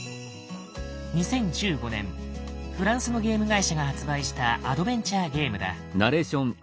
２０１５年フランスのゲーム会社が発売したアドベンチャーゲームだ。